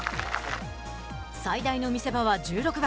最大の見せ場は１６番。